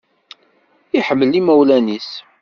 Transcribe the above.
Iḥemmel imawlan-is